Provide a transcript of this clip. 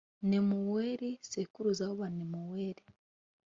nemuweli sekuruza w’abanemuweli.